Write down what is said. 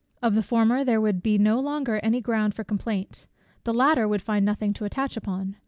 Of the former there would be no longer any ground for complaint; the latter would find nothing to attach upon.